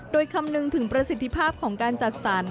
โดยคำนึงถึงประสิทธิภาพของการจัดสรร